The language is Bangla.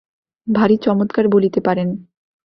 ভারি চমৎকার বলিতে পারেন।